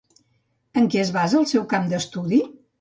En què es basa el seu camp d'estudi?